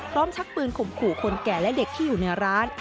ชักปืนข่มขู่คนแก่และเด็กที่อยู่ในร้าน